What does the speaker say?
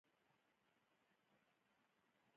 ایا ستاسو حمام به پاک نه وي؟